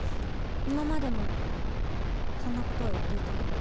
今までもそんなことを言っていたの？